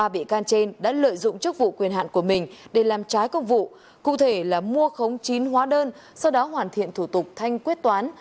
ba bị can trên đã lợi dụng chức vụ quyền hạn của mình để làm trái công vụ cụ thể là mua khống chín hóa đơn sau đó hoàn thiện thủ tục thanh quyết toán